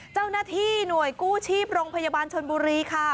เจ้าหน้าที่หน่วยกู้ชีพโรงพยาบาลชนบุรีค่ะ